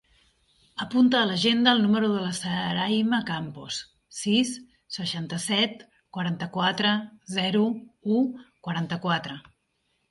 Apunta a l'agenda el número de la Sarayma Campos: sis, seixanta-set, quaranta-quatre, zero, u, quaranta-quatre.